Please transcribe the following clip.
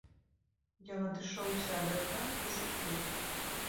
Ён адышоўся ад акна і закурыў.